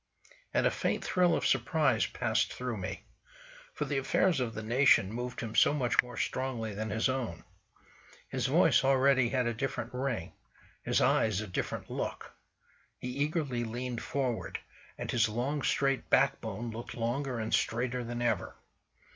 And a faint thrill of surprise passed through me. For the affairs of the nation moved him so much more strongly than his own. His voice already had a different ring, his eyes a different look. He eagerly leaned forward, and his long, straight backbone looked longer and straighter than ever.